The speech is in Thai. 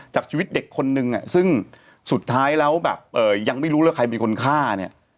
จากชีวิตเด็กคนนึงซึ่งสุดท้ายแล้วแบบยังไม่รู้เลยใครเป็นคนฆ่าเนี่ย